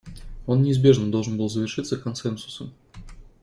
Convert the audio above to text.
Он неизбежно должен был завершиться консенсусом.